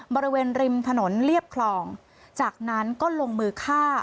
บริเวณริมถนนเรียบคลองจากนั้นก็ลงมือฆ่า